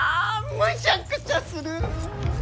むしゃくしゃする！